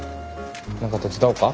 何か手伝おうか？